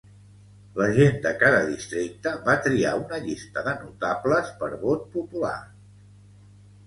La gent de cada districte va triar una llista de "notables" per vot popular.